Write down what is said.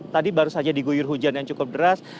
tadi baru saja diguyur hujan yang cukup deras